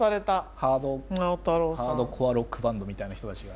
ハードコアロックバンドみたいな人たちが。